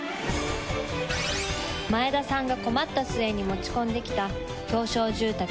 前田さんが困った末に持ち込んできた。